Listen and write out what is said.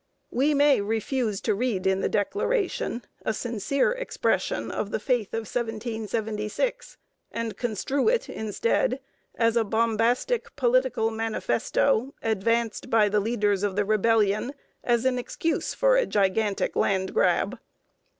We may refuse to read in the Declaration a sincere expression of the faith of 1776, and construe it instead as a bombastic political manifesto, advanced by the leaders of the rebellion as an excuse for a gigantic land grab.